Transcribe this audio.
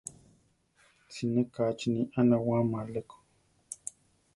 Siné kachini a nawáma aleko.